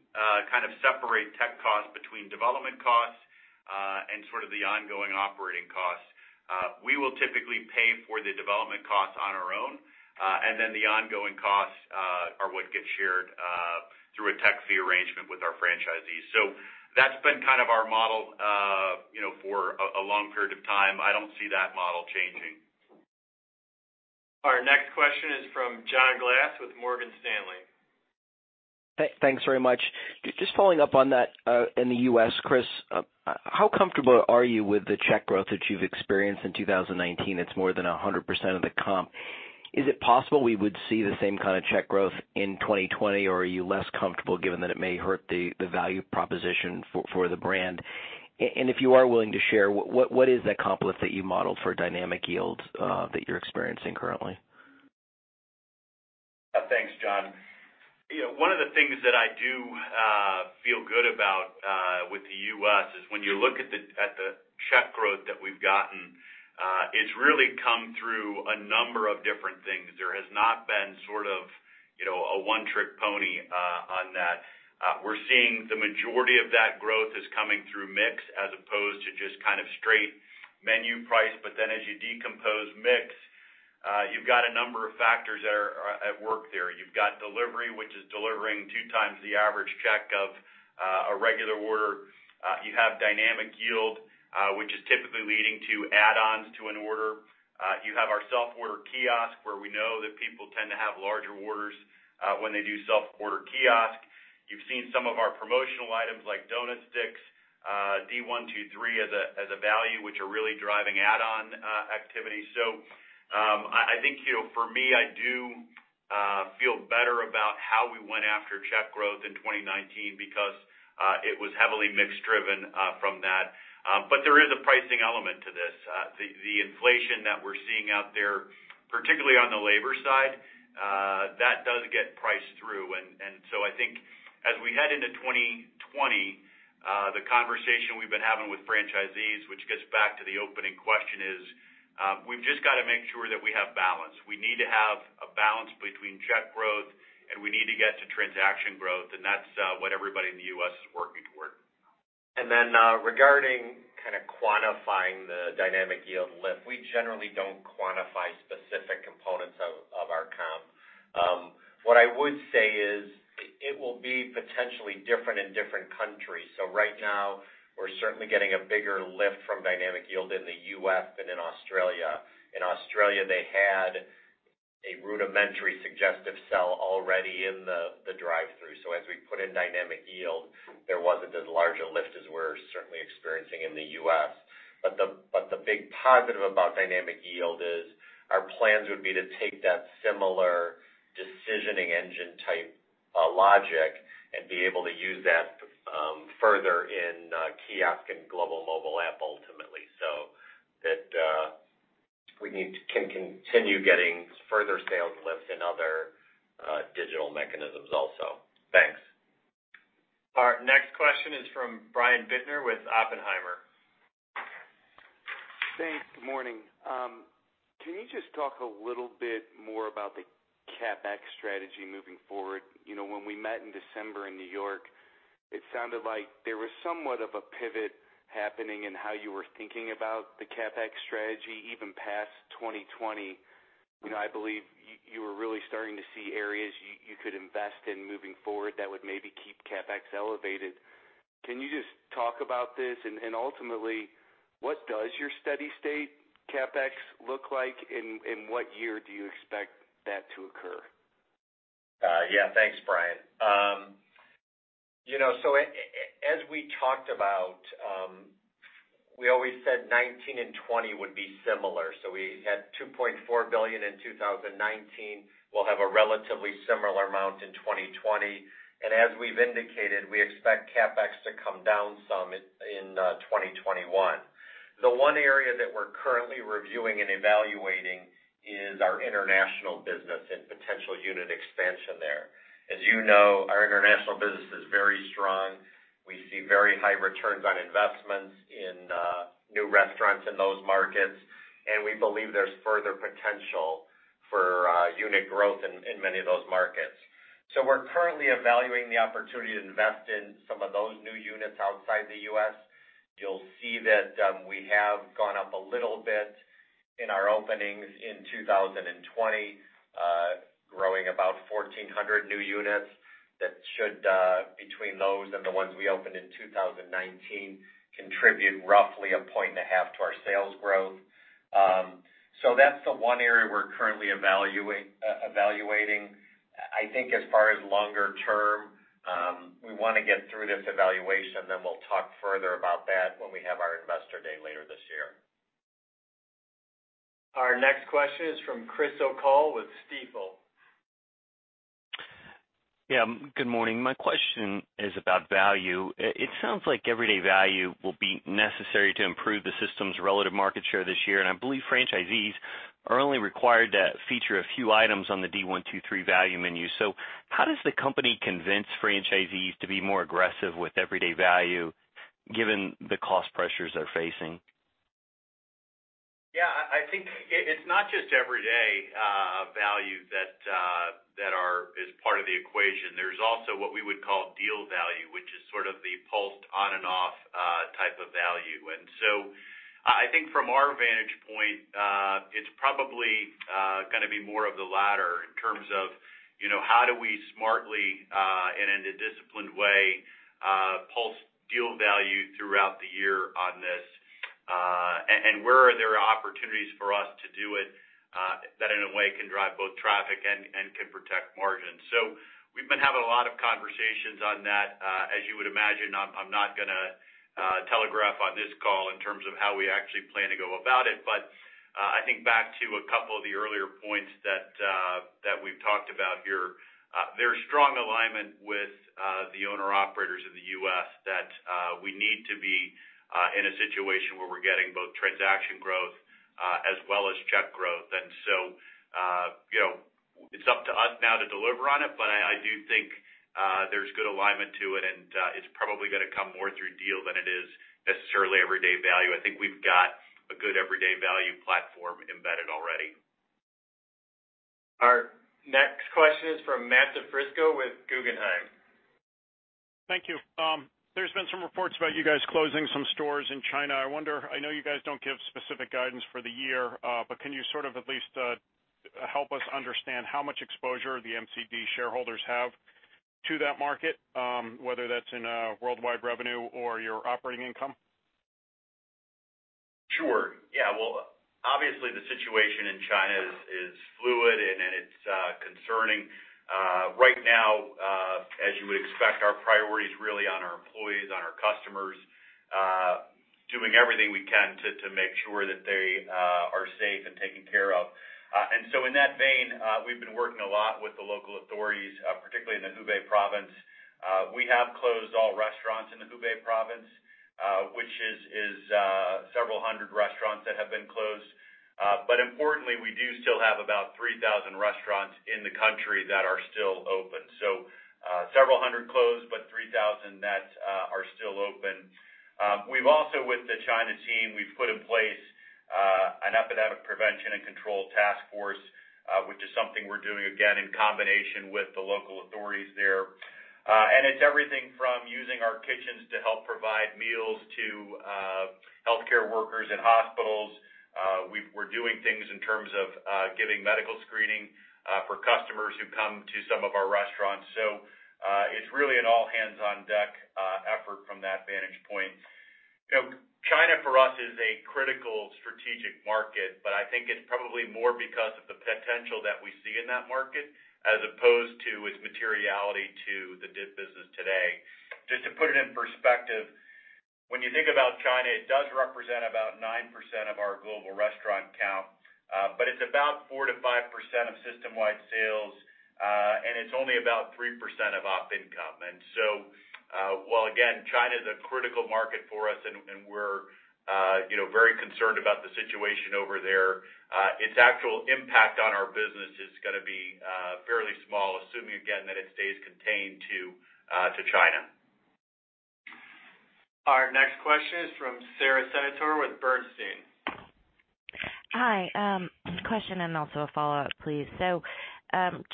kind of separate tech costs between development costs, and sort of the ongoing operating costs. We will typically pay for the development costs on our own, and then the ongoing costs are what get shared through a tech fee arrangement with our franchisees. That's been kind of our model for a long period of time. I don't see that model changing. Our next question is from John Glass with Morgan Stanley. Thanks very much. Just following up on that, in the U.S., Chris, how comfortable are you with the check growth that you've experienced in 2019? It's more than 100% of the comp. Is it possible we would see the same kind of check growth in 2020, or are you less comfortable given that it may hurt the value proposition for the brand? If you are willing to share, what is that comp lift that you modeled for Dynamic Yield that you're experiencing currently? Thanks, John. One of the things that I do feel good about with the U.S. is when you look at the check growth that we've gotten, it's really come through a number of different things. There has not been a one-trick pony on that. We're seeing the majority of that growth is coming through mix as opposed to just straight menu price. As you decompose mix, you've got a number of factors that are at work there. You've got delivery, which is delivering two times the average check of a regular order. You have Dynamic Yield, which is typically leading to add-ons to an order. You have our self-order kiosk, where we know that people tend to have larger orders when they do self-order kiosk. You've seen some of our promotional items like Donut Sticks, D123 as a value, which are really driving add-on activity. I think for me, I do feel better about how we went after check growth in 2019 because it was heavily mix driven from that. There is a pricing element to this. The inflation that we're seeing out there, particularly on the labor side, that does get priced through. I think as we head into 2020, the conversation we've been having with franchisees, which gets back to the opening question, is we've just got to make sure that we have balance. We need to have a balance between check growth, and we need to get to transaction growth, and that's what everybody in the U.S. is working toward. Regarding quantifying the Dynamic Yield lift, we generally don't quantify specific components of our comp. What I would say is it will be potentially different in different countries. Right now, we're certainly getting a bigger lift from Dynamic Yield in the U.S. than in Australia. In Australia, they had a rudimentary suggestive sell already in the drive-thru. As we put in Dynamic Yield, there wasn't as large a lift as we're certainly experiencing in the U.S. The big positive about Dynamic Yield is our plans would be to take that similar decisioning engine type logic and be able to use that further in kiosk and global mobile app ultimately, so that we can continue getting further sales lifts in other digital mechanisms also. Thanks. Our next question is from Brian Bittner with Oppenheimer. Thanks. Good morning. Can you just talk a little bit more about the CapEx strategy moving forward? When we met in December in New York, it sounded like there was somewhat of a pivot happening in how you were thinking about the CapEx strategy even past 2020. I believe you were really starting to see areas you could invest in moving forward that would maybe keep CapEx elevated. Can you just talk about this? Ultimately, what does your steady state CapEx look like? In what year do you expect that to occur? Yeah. Thanks, Brian. As we talked about, we always said 2019 and 2020 would be similar. We had $2.4 billion in 2019. We'll have a relatively similar amount in 2020. As we've indicated, we expect CapEx to come down some in 2021. The one area that we're currently reviewing and evaluating is our international business and potential unit expansion there. As you know, our international business is very strong. We see very high returns on investments in new restaurants in those markets, and we believe there's further potential for unit growth in many of those markets. We're currently evaluating the opportunity to invest in some of those new units outside the U.S. You'll see that we have gone up a little bit in our openings in 2020, growing about 1,400 new units that should, between those and the ones we opened in 2019, contribute roughly a point and a half to our sales growth. That's the one area we're currently evaluating. I think as far as longer term, we want to get through this evaluation, then we'll talk further about that when we have our Investor Day later this year. Our next question is from Chris O'Cull with Stifel. Yeah. Good morning. My question is about value. It sounds like everyday value will be necessary to improve the system's relative market share this year, and I believe franchisees are only required to feature a few items on the D123 Value Menu. How does the company convince franchisees to be more aggressive with everyday value given the cost pressures they're facing? Yeah, I think it's not just everyday value that is part of the equation. There's also what we would call deal value, which is sort of the pulsed on and off type of value. I think from our vantage point, it's probably going to be more of the latter in terms of how do we smartly and in a disciplined way pulse deal value throughout the year on this, and where are there opportunities for us to do it that in a way can drive both traffic and can protect margins. We've been having a lot of conversations on that. As you would imagine, I'm not going to telegraph on this call in terms of how we actually plan to go about it. I think back to a couple of the earlier points that we've talked about here. There's strong alignment with the owner-operators in the U.S. that we need to be in a situation where we're getting both transaction growth as well as check growth. It's up to us now to deliver on it, but I do think there's good alignment to it, and it's probably going to come more through deal than it is necessarily everyday value. I think we've got a good everyday value platform embedded already. Our next question is from Matt DiFrisco with Guggenheim. Thank you. There's been some reports about you guys closing some stores in China. I know you guys don't give specific guidance for the year, but can you sort of at least help us understand how much exposure the MCD shareholders have to that market, whether that's in a worldwide revenue or your operating income? Sure. Obviously, the situation in China is fluid, and it's concerning. Right now, as you would expect, our priority is really on our employees, on our customers, doing everything we can to make sure that they are safe and taken care of. In that vein, we've been working a lot with the local authorities, particularly in the Hubei province. We have closed all restaurants in the Hubei province, which is several hundred restaurants that have been closed. Importantly, we do still have about 3,000 restaurants in the country that are still open. Several hundred closed, 3,000 that are still open. We've also, with the China team, we've put in place an epidemic prevention and control task force, which is something we're doing, again, in combination with the local authorities there. It's everything from using our kitchens to help provide meals to healthcare workers in hospitals. We're doing things in terms of giving medical screening for customers who come to some of our restaurants. It's really an all-hands-on-deck effort from that vantage point. China, for us, is a critical strategic market, but I think it's probably more because of the potential that we see in that market as opposed to its materiality to the business today. Just to put it in perspective, when you think about China, it does represent about 9% of our global restaurant count. It's about 4%-5% of system-wide sales, and it's only about 3% of operating income. While again, China is a critical market for us and we're very concerned about the situation over there, its actual impact on our business is going to be fairly small, assuming again, that it stays contained to China. Our next question is from Sara Senatore with Bernstein. Hi. A question and also a follow-up, please.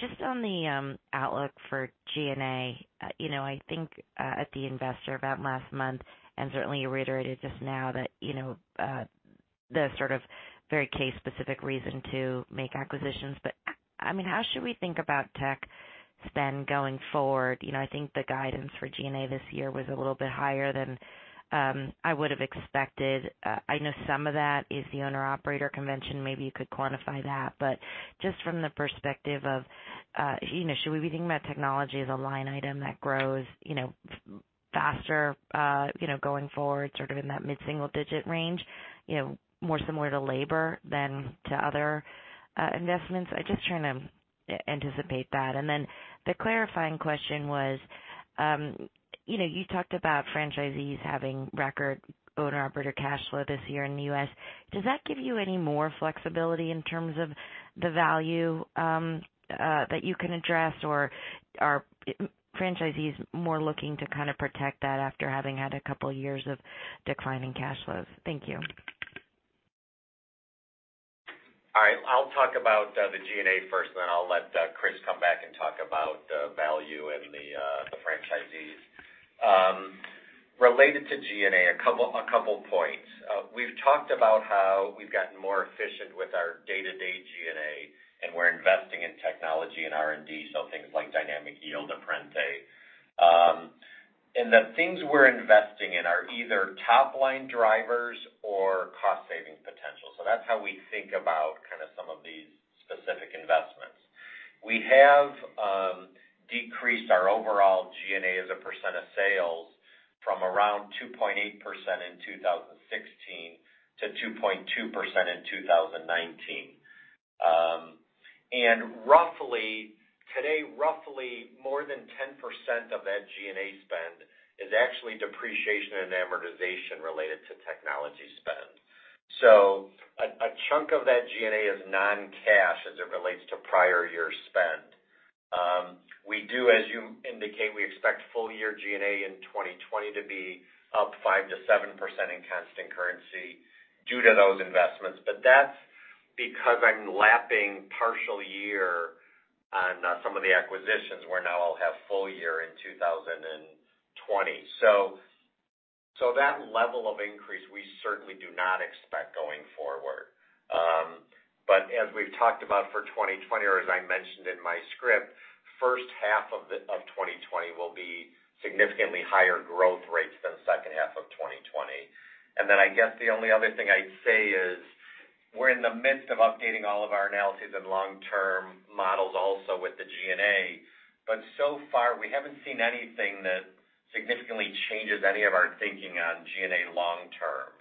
Just on the outlook for G&A, I think at the investor event last month, and certainly you reiterated just now that the sort of very case specific reason to make acquisitions. How should we think about tech spend going forward? I think the guidance for G&A this year was a little bit higher than I would have expected. I know some of that is the owner-operator convention. Maybe you could quantify that. Just from the perspective of should we be thinking about technology as a line item that grows faster going forward, sort of in that mid-single digit range, more similar to labor than to other investments? I'm just trying to anticipate that. Then the clarifying question was, you talked about franchisees having record owner-operator cash flow this year in the U.S. Does that give you any more flexibility in terms of the value that you can address, or are franchisees more looking to kind of protect that after having had a couple of years of declining cash flows? Thank you. I'll talk about the G&A first, then I'll let Chris come back and talk about the value and the franchisees. Related to G&A, a couple of points. We've talked about how we've gotten more efficient with our day-to-day G&A, and we're investing in technology and R&D, so things like Dynamic Yield, Apprente. The things we're investing in are either top-line drivers or cost-saving potential. That's how we think about some of these specific investments. We have decreased our overall G&A as a % of sales from around 2.8% in 2016 to 2.2% in 2019. Today, roughly more than 10% of that G&A spend is actually depreciation and amortization related to technology spend. A chunk of that G&A is non-cash as it relates to prior year spend. We do, as you indicate, we expect full year G&A in 2020 to be up 5%-7% in constant currency due to those investments. That's because I'm lapping partial year on some of the acquisitions where now I'll have full year in 2020. That level of increase, we certainly do not expect going forward. As we've talked about for 2020, or as I mentioned in my script, first half of 2020 will be significantly higher growth rates than second half of 2020. I guess the only other thing I'd say is we're in the midst of updating all of our analyses and long-term models also with the G&A, but so far, we haven't seen anything that significantly changes any of our thinking on G&A long term.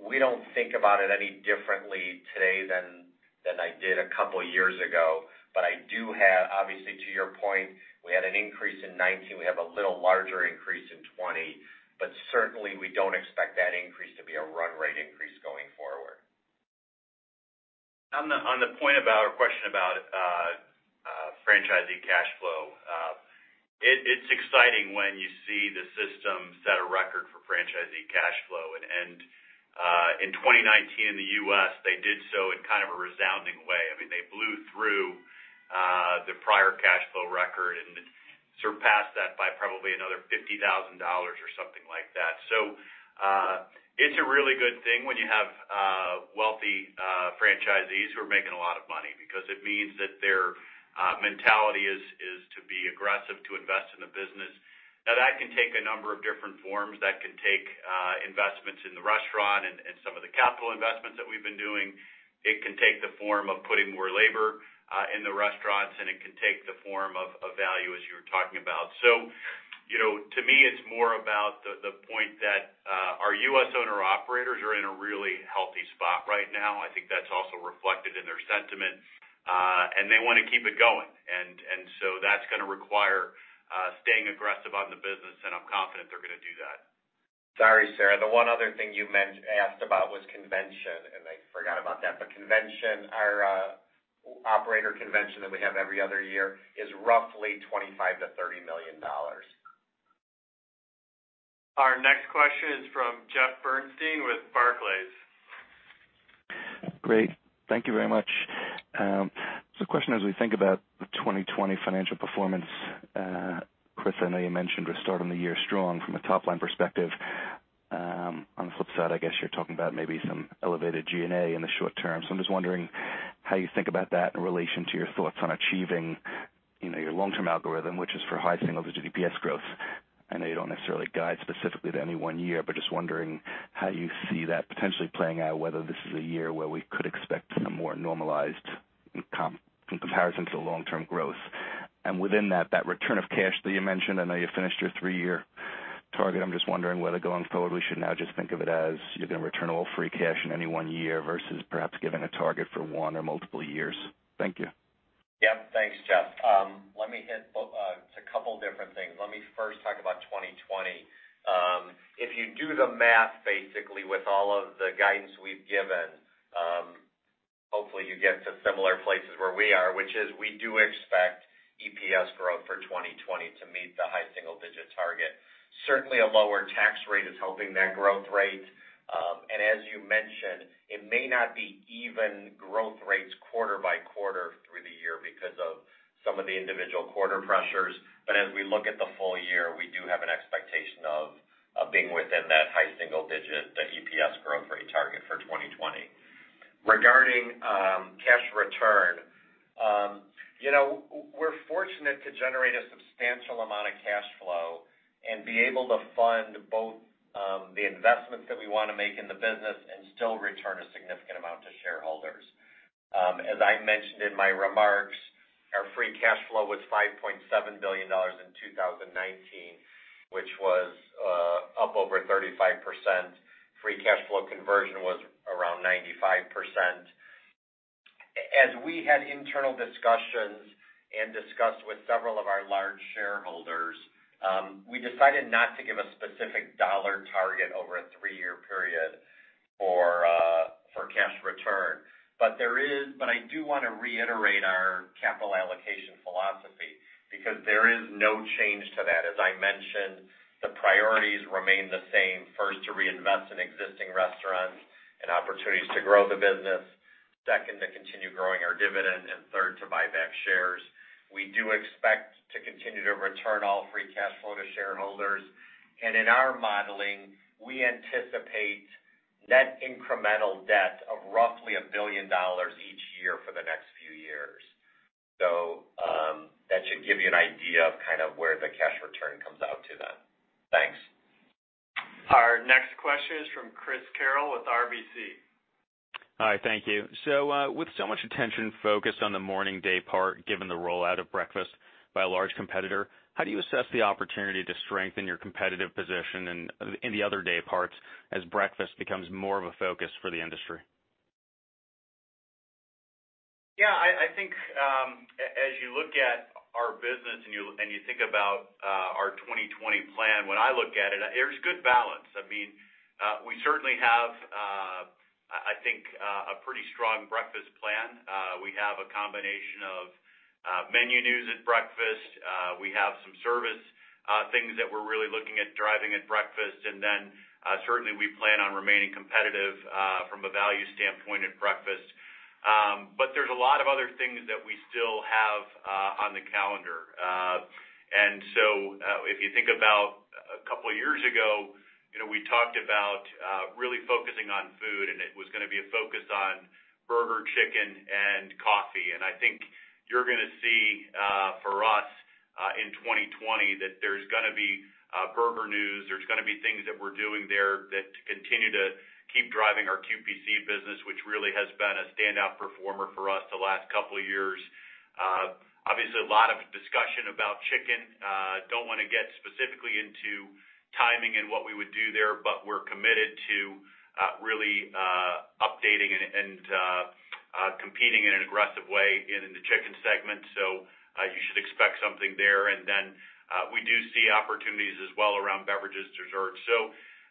We don't think about it any differently today than I did a couple of years ago, but I do have, obviously, to your point, we had an increase in 2019. We have a little larger increase in 2020, but certainly we don't expect that increase to be a run rate increase going forward. On the point about or question about franchisee cash flow. It's exciting when you see the system set a record for franchisee cash flow. In 2019 in the U.S., they did so in kind of a resounding way. I mean, they blew through the prior cash flow record and surpassed that by probably another $50,000 or something like that. It's a really good thing when you have wealthy franchisees who are making a lot of money because it means that their mentality is to be aggressive to invest in the business. That can take a number of different forms. That can take investments in the restaurant and some of the capital investments that we've been doing. It can take the form of putting more labor in the restaurants, and it can take the form of value, as you were talking about. To me, it's more about the point that our U.S. owner operators are in a really healthy spot right now. I think that's also reflected in their sentiment. They want to keep it going. That's going to require staying aggressive on the business, and I'm confident they're going to do that. Sorry, Sara, the one other thing you asked about was convention, and I forgot about that. Convention, our operator convention that we have every other year, is roughly $25 million-$30 million. Our next question is from Jeff Bernstein with Barclays. Great. Thank you very much. Question as we think about the 2020 financial performance, Chris, I know you mentioned we're starting the year strong from a top-line perspective. On the flip side, I guess you're talking about maybe some elevated G&A in the short term. I'm just wondering how you think about that in relation to your thoughts on achieving your long-term algorithm, which is for high single-digit EPS growth. I know you don't necessarily guide specifically to any one year, but just wondering how you see that potentially playing out, whether this is a year where we could expect some more normalized income in comparison to the long-term growth. Within that return of cash that you mentioned. I know you finished your three-year target. I'm just wondering whether going forward, we should now just think of it as you're going to return all free cash in any one year versus perhaps giving a target for one or multiple years. Thank you. Yeah. Thanks, Jeff. It's a couple of different things. Let me first talk about 2020. If you do the math, basically, with all of the guidance we've given, hopefully you get to similar places where we are, which is we do expect EPS growth for 2020 to meet the high single digit target. Certainly, a lower tax rate is helping that growth rate. As you mentioned, it may not be even growth rates quarter by quarter through the year because of some of the individual quarter pressures. As we look at the full year, we do have an expectation of being within that high single digit, the EPS growth rate target for 2020. Regarding cash return, we're fortunate to generate a substantial amount of cash flow and be able to fund both the investments that we want to make in the business and still return a significant amount to shareholders. As I mentioned in my remarks, our free cash flow was $5.7 billion in 2019, which was up over 35%. Free cash flow conversion was around 95%. As we had internal discussions and discussed with several of our large shareholders, we decided not to give a specific dollar target over a three-year period for cash return. I do want to reiterate our capital allocation philosophy because there is no change to that. As I mentioned, the priorities remain the same. First, to reinvest in existing restaurants and opportunities to grow the business. Second, to continue growing our dividend, and third, to buy back shares. We do expect to continue to return all free cash flow to shareholders. In our modeling, we anticipate net incremental debt of roughly $1 billion each year for the next few years. That should give you an idea of kind of where the cash return comes out to then. Thanks. Our next question is from Chris Carril with RBC. Hi. Thank you. With so much attention focused on the morning day part, given the rollout of breakfast by a large competitor, how do you assess the opportunity to strengthen your competitive position in the other day parts as breakfast becomes more of a focus for the industry? Yeah. I think as you look at our business and you think about our 2020 plan, when I look at it, there's good balance. We certainly have I think a pretty strong breakfast plan. We have a combination of menu news at breakfast. We have some service things that we're really looking at driving at breakfast. Certainly we plan on remaining competitive from a value standpoint at breakfast. There's a lot of other things that we still have on the calendar. If you think about a couple of years ago, we talked about really focusing on food, and it was going to be a focus on burger, chicken, and coffee. I think you're going to see for us in 2020 that there's going to be burger news. There's going to be things that we're doing there that continue to keep driving our QPC business, which really has been a standout performer for us the last couple of years. A lot of discussion about chicken. Don't want to get specifically into timing and what we would do there, but we're committed to really updating and competing in an aggressive way in the chicken segment. You should expect something there. We do see opportunities as well around beverages, desserts.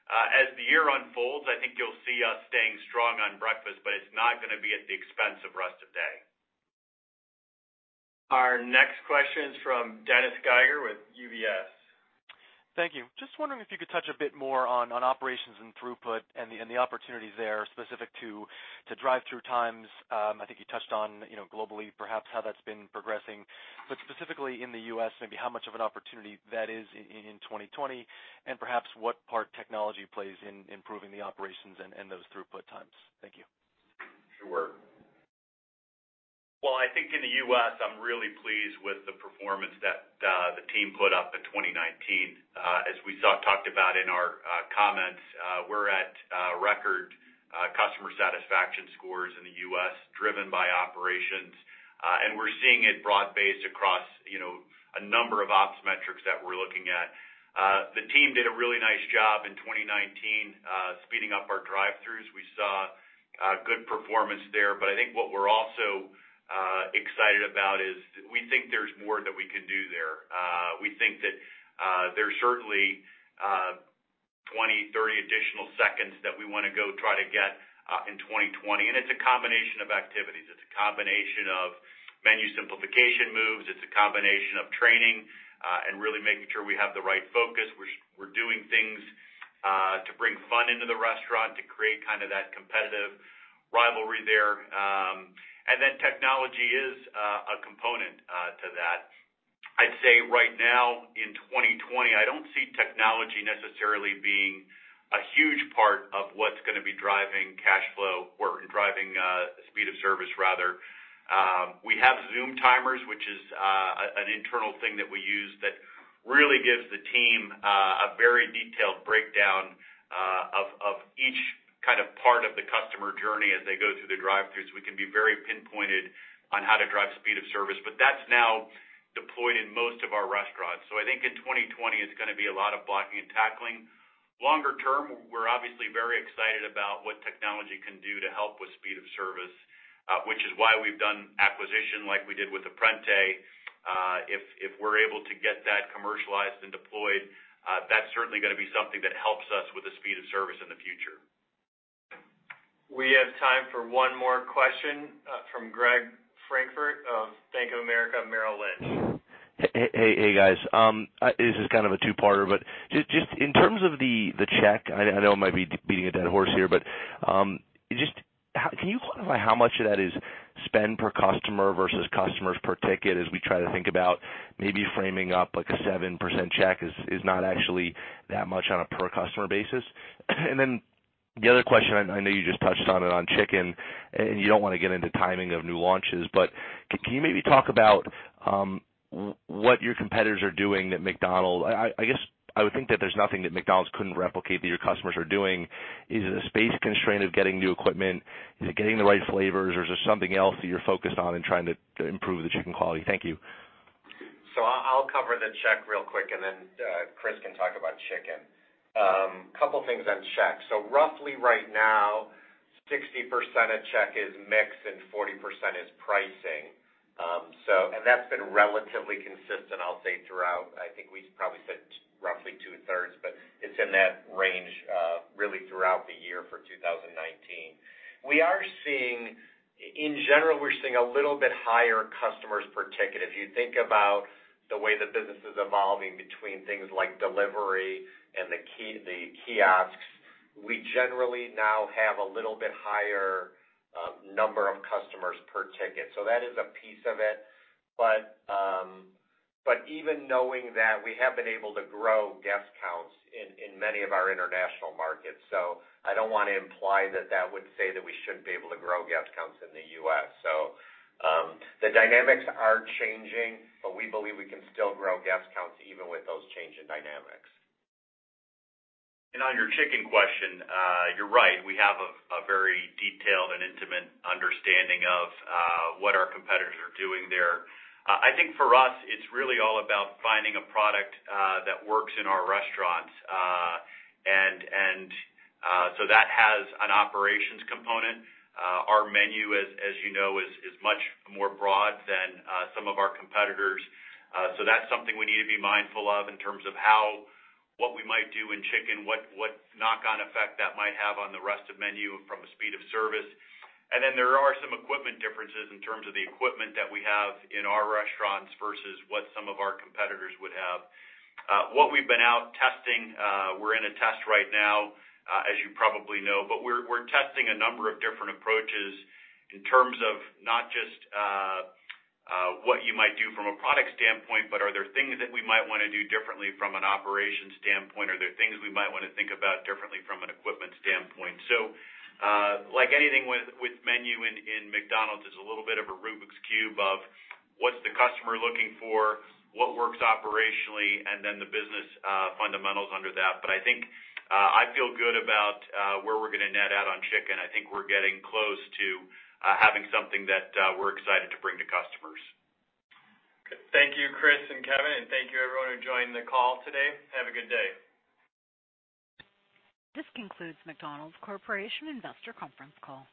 As the year unfolds, I think you'll see us staying strong on breakfast, but it's not going to be at the expense of rest of day. Our next question is from Dennis Geiger with UBS. Thank you. Just wondering if you could touch a bit more on operations and throughput and the opportunities there specific to drive-thru times. I think you touched on globally, perhaps how that's been progressing, but specifically in the U.S., maybe how much of an opportunity that is in 2020 and perhaps what part technology plays in improving the operations and those throughput times? Thank you. Sure. Well, I think in the U.S., I'm really pleased with the performance that the team put up in 2019. As we talked about in our comments, we're at record customer satisfaction scores in the U.S. driven by operations, and we're seeing it broad based across a number of ops metrics that we're looking at. The team did a really nice job in 2019, speeding up our drive-thrus. I think what we're also excited about is we think there's more that we can do there. We think that there's certainly 20, 30 additional seconds that we want to go try to get in 2020. It's a combination of activities. It's a combination of menu simplification moves. It's a combination of training, and really making sure we have the right focus. We're doing things to bring fun into the restaurant to create that competitive rivalry there. Technology is a component to that. I'd say right now in 2020, I don't see technology necessarily being a huge part of what's going to be driving cash flow or driving speed of service rather. We have ZOOM timers, which is an internal thing that we use that really gives the team a very detailed breakdown of each part of the customer journey as they go through the drive-thru, so we can be very pinpointed on how to drive speed of service. That's now deployed in most of our restaurants. I think in 2020, it's going to be a lot of blocking and tackling. Longer term, we're obviously very excited about what technology can do to help with speed of service, which is why we've done acquisition like we did with Apprente. If we're able to get that commercialized and deployed, that's certainly going to be something that helps us with the speed of service in the future. We have time for one more question from Greg Francfort of Bank of America Merrill Lynch. Hey, guys. This is a two-parter. Just in terms of the check, I know I might be beating a dead horse here. Can you quantify how much of that is spend per customer versus customers per ticket as we try to think about maybe framing up a 7% check is not actually that much on a per customer basis? The other question, I know you just touched on it on chicken. You don't want to get into timing of new launches. Can you maybe talk about what your competitors are doing. I guess I would think that there's nothing that McDonald's couldn't replicate that your customers are doing. Is it a space constraint of getting new equipment? Is it getting the right flavors? Or is there something else that you're focused on in trying to improve the chicken quality? Thank you. I'll cover the check real quick, and then Chris can talk about chicken. Two things on check. Roughly right now, 60% of check is mix and 40% is pricing. That's been relatively consistent, I'll say, throughout. I think we probably spent roughly two-thirds, but it's in that range really throughout the year for 2019. In general, we're seeing a little bit higher customers per ticket. If you think about the way the business is evolving between things like delivery and the kiosks, we generally now have a little bit higher number of customers per ticket. That is a piece of it. Even knowing that, we have been able to grow guest counts in many of our international markets. I don't want to imply that that would say that we shouldn't be able to grow guest counts in the U.S. The dynamics are changing, but we believe we can still grow guest counts even with those change in dynamics. On your chicken question, you're right. We have a very detailed and intimate understanding of what our competitors are doing there. I think for us, it's really all about finding a product that works in our restaurants. That has an operations component. Our menu, as you know, is much more broad than some of our competitors. That's something we need to be mindful of in terms of what we might do in chicken, what knock-on effect that might have on the rest of menu from a speed of service. There are some equipment differences in terms of the equipment that we have in our restaurants versus what some of our competitors would have. What we've been out testing, we're in a test right now, as you probably know, but we're testing a number of different approaches in terms of not just what you might do from a product standpoint, but are there things that we might want to do differently from an operations standpoint? Are there things we might want to think about differently from an equipment standpoint? Like anything with menu in McDonald's, it's a little bit of a Rubik's Cube of what's the customer looking for, what works operationally, and then the business fundamentals under that. I think I feel good about where we're going to net out on chicken. I think we're getting close to having something that we're excited to bring to customers. Good. Thank you, Chris and Kevin, and thank you everyone who joined the call today. Have a good day. This concludes McDonald's Corporation Investor Conference Call.